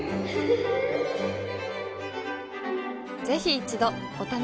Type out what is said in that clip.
ぜひ一度お試しを。